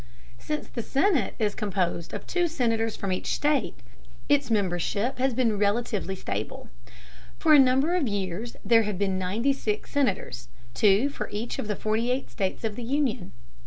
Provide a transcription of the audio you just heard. Since the Senate is composed of two Senators from each state, its membership has been relatively stable. For a number of years there have been 96 Senators, two for each of the forty eight states of the Union.